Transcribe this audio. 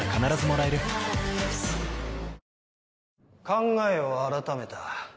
考えを改めた。